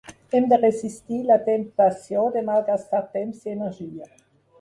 Hem de resistir la temptació de malgastar temps i energia.